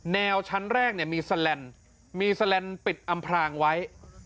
แนวชั้นแรกเนี่ยมีแซลนมีแซลนปิดอำพรางไว้